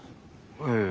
ええ。